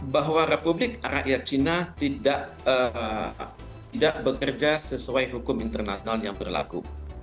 bahwa republik rakyat cina tidak bekerja sesuai hukum internasional yang berlaku